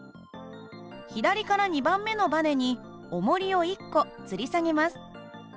左から２番目のばねにおもりを１個つり下げます。